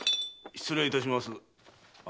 ・失礼いたします。